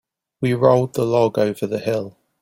We rolled the log over the hill.